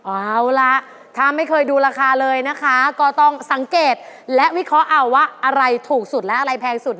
เอาล่ะถ้าไม่เคยดูราคาเลยนะคะก็ต้องสังเกตและวิเคราะห์เอาว่าอะไรถูกสุดและอะไรแพงสุด